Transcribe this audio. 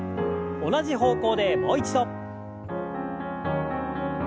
同じ方向でもう一度。